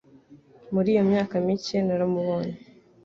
Muri iyo myaka mike naramubonye